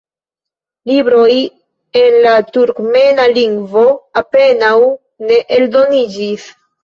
Libroj en la turkmena lingvo apenaŭ ne eldoniĝis.